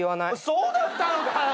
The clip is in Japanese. そうだったのかよ！